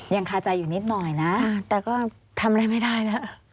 คาใจอยู่นิดหน่อยนะแต่ก็ทำอะไรไม่ได้นะ